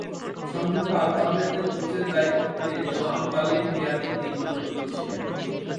সংযুক্ত আরব আমিরাতের কোচের দায়িত্বে স্বল্পকালীন মেয়াদে তিন মাসের জন্য ছিলেন।